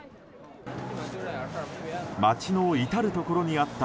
街の至るところにあった